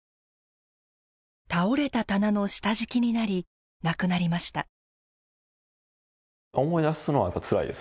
倒れた棚の下敷きになり亡くなりました。